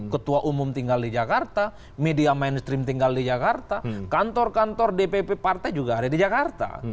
ketua umum tinggal di jakarta media mainstream tinggal di jakarta kantor kantor dpp partai juga ada di jakarta